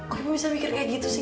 kok ibu bisa mikir kayak gitu sih